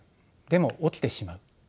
でも起きてしまう。